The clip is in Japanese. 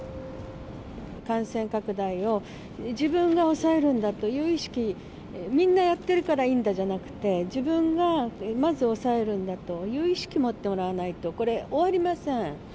感染拡大を自分が抑えるんだという意識、みんなやってるからいいんだじゃなくて、自分がまず抑えるんだという意識を持ってもらわないと、これ、終わりません。